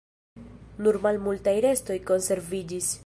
Nur malmultaj restoj konserviĝis.